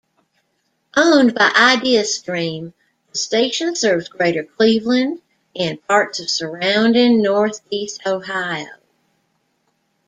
Owned by Ideastream, the station serves Greater Cleveland and parts of surrounding Northeast Ohio.